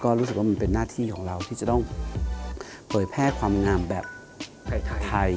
รู้สึกว่ามันเป็นหน้าที่ของเราที่จะต้องเผยแพร่ความงามแบบไทย